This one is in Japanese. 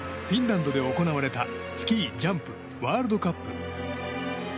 フィンランドで行われたスキージャンプワールドカップ。